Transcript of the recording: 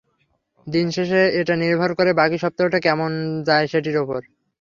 দিন শেষে এটা নির্ভর করছে বাকি সপ্তাহটা কেমন যায় সেটির ওপর।